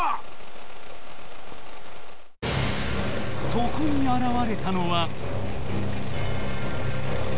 そこに現れたのは？